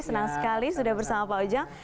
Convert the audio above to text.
senang sekali sudah bersama pak ujang